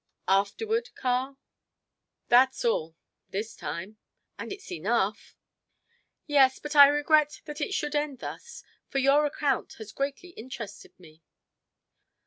"Afterward, Karl?" "That's all this time and it's enough!" "Yes, but I regret that it should end thus, for your account has greatly interested me."